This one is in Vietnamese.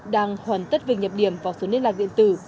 đang hoàn tất việc nhập điểm vào số liên lạc điện tử